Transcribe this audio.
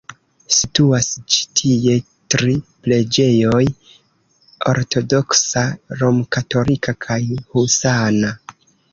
Situas ĉi tie tri preĝejoj: ortodoksa, romkatolika kaj husana.